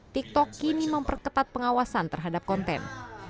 tiktok kini memperketat pengawasan terhadap konten